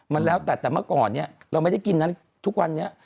มันแล้วแต่แต่เมื่อก่อนเนี่ยเราไม่ได้กินนะทุกวันนี้